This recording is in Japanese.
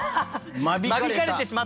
間引かれてしまった？